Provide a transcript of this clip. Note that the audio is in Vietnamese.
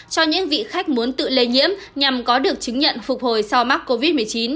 cho những vị khách muốn tự lây nhiễm nhằm có được chứng nhận phục hồi sau mắc covid một mươi chín